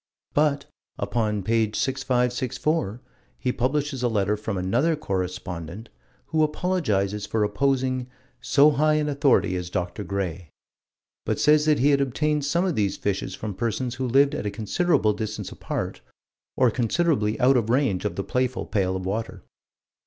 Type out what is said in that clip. But, upon page 6564, he publishes a letter from another correspondent, who apologizes for opposing "so high an authority as Dr. Gray," but says that he had obtained some of these fishes from persons who lived at a considerable distance apart, or considerably out of range of the playful pail of water.